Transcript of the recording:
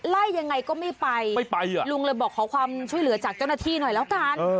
ยังไงก็ไม่ไปไม่ไปอ่ะลุงเลยบอกขอความช่วยเหลือจากเจ้าหน้าที่หน่อยแล้วกัน